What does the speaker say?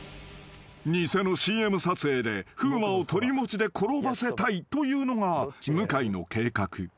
［偽のＣＭ撮影で風磨を鳥もちで転ばせたいというのが向井の計画］